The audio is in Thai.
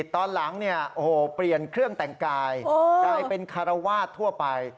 ตอนหลังเปลี่ยนเครื่องแต่งกายกลายเป็นคารวาสทั่วไป